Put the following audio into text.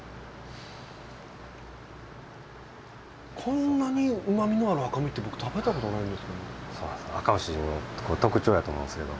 こんなにうまみのある赤身って僕食べたことないんですけど。